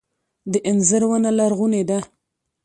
د انځر ونه لرغونې ده